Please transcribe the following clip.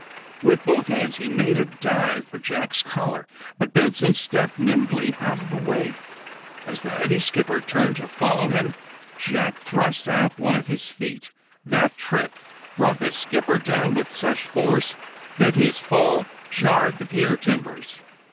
With both hands he made a dive for Jack's collar. But Benson stepped nimbly out of the way. As the heavy skipper turned to follow him Jack thrust out one of his feet. That trip brought the skipper down with such force that his fall jarred the pier timbers.